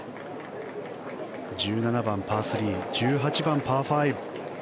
１７番、パー３１８番、パー５。